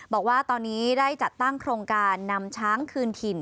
บอกว่าตอนนี้ได้จัดตั้งโครงการนำช้างคืนถิ่น